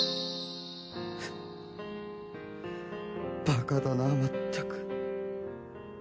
バカだなまったく。